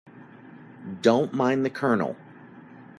Don't mind the Colonel.